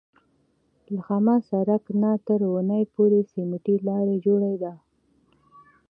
له خامه سړک نه تر ونې پورې سمټي لاره جوړه ده.